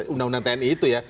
undang undang tni itu ya